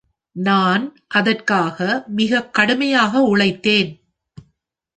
நான் அதற்காக மிக கடுமையாக உழைத்தேன்!